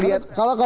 saya nggak setuju